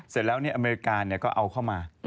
เสร็จแล้วเนี่ยอเมริกาเนี่ยก็เอาเข้ามา